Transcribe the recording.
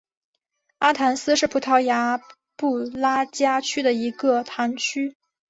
阿唐斯是葡萄牙布拉加区的一个堂区。